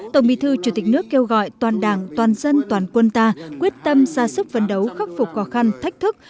tổng bí thư chủ tịch nước kêu gọi toàn đảng toàn dân toàn quân ta quyết tâm ra sức vấn đấu khắc phục khó khăn thách thức